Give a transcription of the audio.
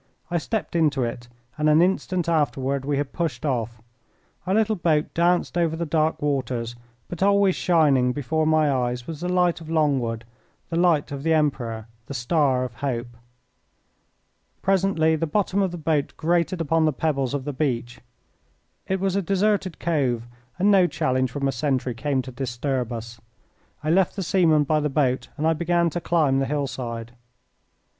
I stepped into it, and an instant afterward we had pushed off. Our little boat danced over the dark waters, but always shining before my eyes was the light of Longwood, the light of the Emperor, the star of hope. Presently the bottom of the boat grated upon the pebbles of the beach. It was a deserted cove, and no challenge from a sentry came to disturb us. I left the seaman by the boat and I began to climb the hillside.